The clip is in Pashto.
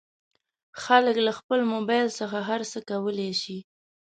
خلک له خپل مبایل څخه هر څه کولی شي.